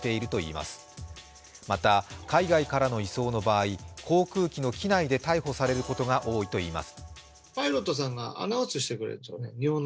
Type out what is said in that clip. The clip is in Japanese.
また、海外からの移送の場合、航空機の機内で逮捕されることが多いといいます。